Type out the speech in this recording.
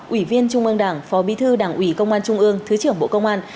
ủy viên trung mương đảng phó bi thư đảng ủy công an trung ương thứ trưởng bộ công an